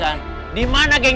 satu barang masanya